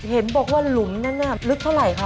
เห็นบอกว่าหลุมนั้นลึกเท่าไหร่คะ